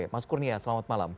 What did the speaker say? mas kurnia selamat malam